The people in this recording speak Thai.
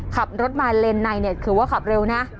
ขับรถมาเลนในเนี่ยถือว่าขับเร็วนะ